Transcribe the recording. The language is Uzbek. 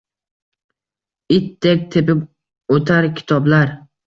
Itdek tepib oʻtar kiborlar